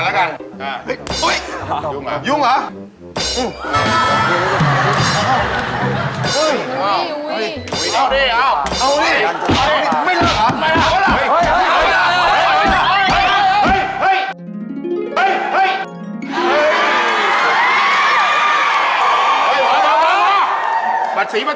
เราก็ซื้อเรียงเบอร์มาก่อนเลย